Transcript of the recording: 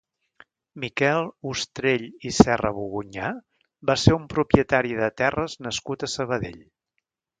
Miquel Ustrell i Serrabogunyà va ser un propietari de terres nascut a Sabadell.